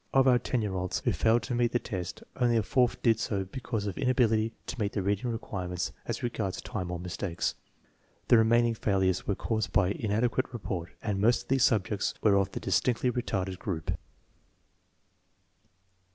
Of our 10 year olds who failed to meet the test, only a fourth did so be cause of inability to meet the reading requirements as regards time or mistakes. The remaining failures were caused by inadequate report, and most of these subjects were of the distinctly retarded group.